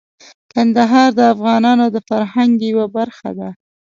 کندهار د افغانانو د فرهنګ یوه برخه ده.